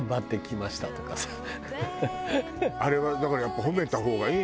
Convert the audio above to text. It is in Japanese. あれはだからやっぱ褒めた方がいいのかね